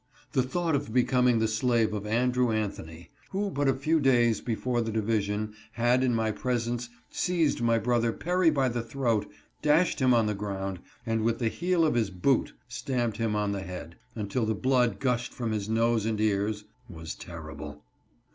The thought of becoming the slave of Andrew Anthony — who but a few days before the division, had, in my presence, seized my brother Perry by the throat, dashed him on the ground, and with the heel of his boot stamped him on the head, until the blood gushed from his nose and ears — was terrible!